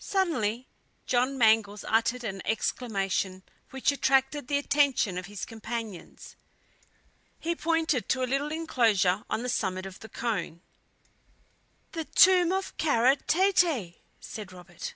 Suddenly John Mangles uttered an exclamation which attracted the attention of his companions. He pointed to a little inclosure on the summit of the cone. "The tomb of Kara Tete!" said Robert.